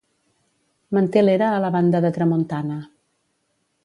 Manté l'era a la banda de tramuntana.